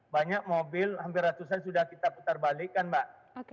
banyak mobil hampir ratusan sudah kita putar balikan mbak